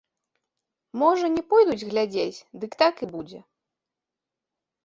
Можа, не пойдуць глядзець, дык так і будзе.